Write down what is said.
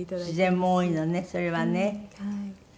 自然も多いのねそれはね。